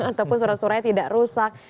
ataupun surat suratnya tidak rusak